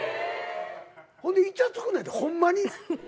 ほんでイチャつくねんでホンマに。